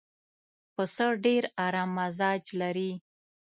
پسه ډېر ارام مزاج لري.